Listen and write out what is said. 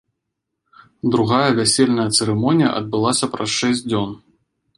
Другая вясельная цырымонія адбылася праз шэсць дзён.